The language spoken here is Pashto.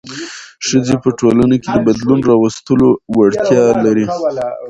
ښځې په ټولنه کې د بدلون راوستلو وړتیا لري.